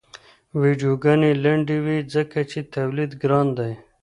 ویډیوګانې لنډې وي ځکه چې تولید ګران دی.